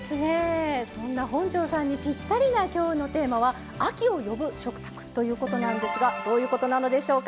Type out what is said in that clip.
そんな本上さんにぴったりな今日のテーマは「『秋を呼ぶ』食卓」ということなんですがどういうことなのでしょうか。